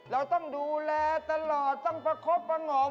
เราต้องดูแลตลอดต้องประคบประงม